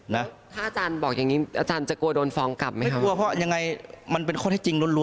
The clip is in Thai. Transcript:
ถ้าอาจารย์บอกอย่างนี้อาจารย์จะกลัวโดนฟองกลับไหมคะ